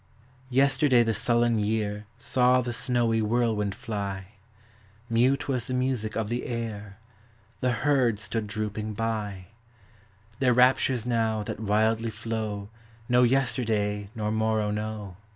Yesterday the sullen year Saw the snowy whirlwind flv ; Mute was the music of the air, The herd stood drooping by : NATURE'S INFLUENCE. 19 Their raptures now that wildly flow No yesterday nor morrow know